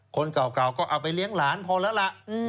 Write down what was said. คนเก่าก็เอาไปเลี้ยงหลานพอแล้วล่ะ